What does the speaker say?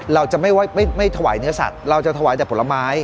เราจะไม่เทาะไหว้เนื้อสัตว์เราจะเทาะไหว้แต่ผลไม้